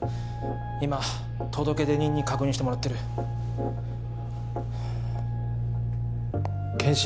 今届出人に確認してもらってる検視